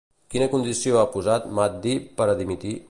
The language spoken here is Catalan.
Quina condició ha posat Mahdi per a dimitir?